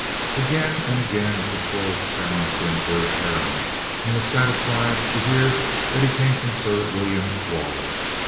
Again and again a patrol challenged him for his errand and was satisfied to hear that he came from Sir William Waller.